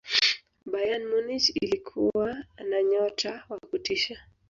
bayern munich ilikuwa na nyota wa kutisha